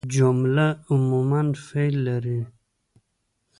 جمله عموماً فعل لري.